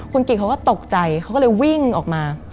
คุณกิจเขาก็ตกใจเขาก็เลยวิ่งออกมา